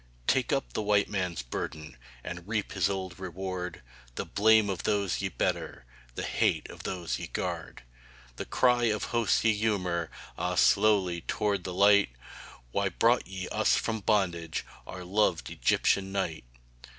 Take up the White Man's burden And reap his old reward; The blame of those ye better, The hate of those ye guard The cry of hosts ye humour (Ah, slowly!) toward the light: "Why brought ye us from bondage, Our loved Egyptian night?"